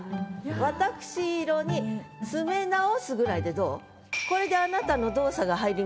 「わたくし色に詰め直す」ぐらいでどう？